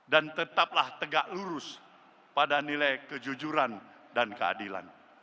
dan tetaplah tegak lurus pada nilai kejujuran dan keadilan